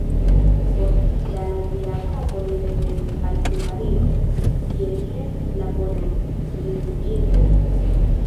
Post la nazia atako li revenis al Hungario, kie li helpis la polajn rifuĝintojn.